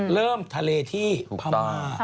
เริ่มทะเลที่พม่า